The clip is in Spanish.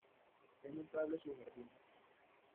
Es notable su jardín.